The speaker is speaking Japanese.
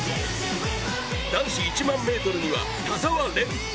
男子１００００ｍには、田澤廉。